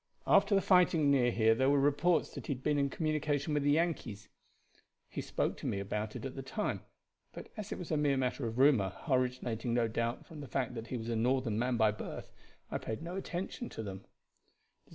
After the fighting near here there were reports that he had been in communication with the Yankees. He spoke to me about it at the time, but as it was a mere matter of rumor, originating, no doubt, from the fact that he was a Northern man by birth, I paid no attention to them."